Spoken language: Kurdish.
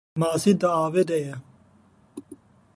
Masî di avê de ye